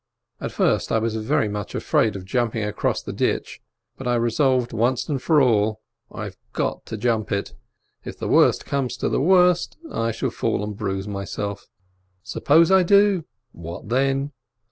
At first I was very much afraid of jumping across the ditch, but I resolved once and for all — I've got to jump it. If the worst comes to the worst, I shall fall and bruise myself. Suppose I do? What then?